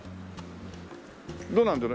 どうなんだろ